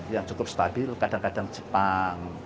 yang cukup stabil kadang kadang jepang